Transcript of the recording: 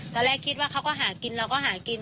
ตอนแรกคิดว่าเขาก็หากินเราก็หากิน